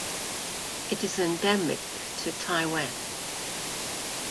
It is endemic to Taiwan.